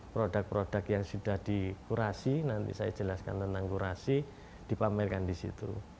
produk produk yang sudah di kurasi nanti saya jelaskan tentang kurasi dipamerkan disitu